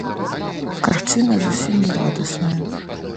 Карціна зусім не радасная.